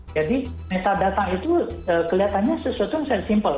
jadi metadata itu kelihatannya sesuatu yang sangat simpel